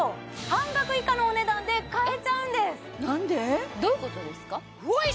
半額以下のお値段で買えちゃうんですなんで？どういうことですか？